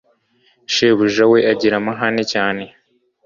Shebuja we agira amahane cyane